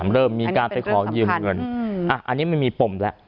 เริ่มมีการไปขอยืมเงินอันนี้มันมีปมแล้ว